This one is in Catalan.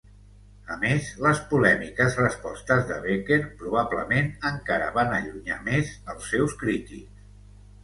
A més, les polèmiques respostes de Becker, probablement, encara van allunyar més els seus crítics.